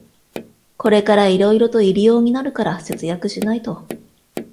これからいろいろと入用になるから節約しないと